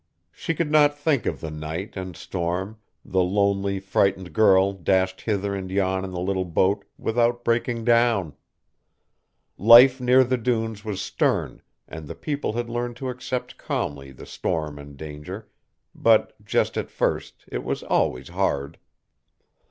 She could not think of the night and storm, the lonely, frightened girl dashed hither and yon in the little boat, without breaking down. Life near the dunes was stern and the people had learned to accept calmly the storm and danger, but, just at first, it was always hard.